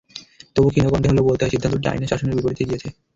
তবু ক্ষীণ কণ্ঠে হলেও বলতে হয়, সিদ্ধান্তটি আইনের শাসনের বিপরীতে গিয়েছে।